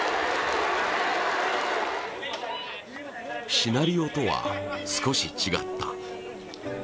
シナリオとは、少し違った。